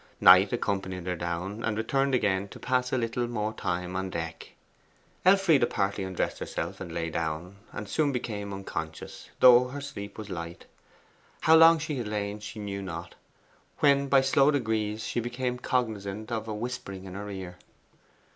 Knight accompanied her down, and returned again to pass a little more time on deck. Elfride partly undressed herself and lay down, and soon became unconscious, though her sleep was light. How long she had lain, she knew not, when by slow degrees she became cognizant of a whispering in her ear.